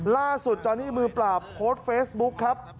ล่าสุดตอนนี้มือปราบโพสต์เฟซบุ๊กครับ